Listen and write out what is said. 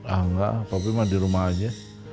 ah enggak tapi mah di rumah aja